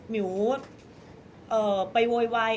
มิวไปโวยวายเอง